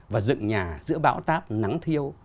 và dựng nhà giữa bão táp nắng thiêu